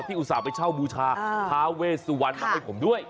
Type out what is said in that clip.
อุตส่าห์ไปเช่าบูชาท้าเวสวรรณมาให้ผมด้วย